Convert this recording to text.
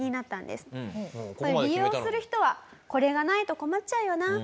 「利用する人はこれがないと困っちゃうよな」。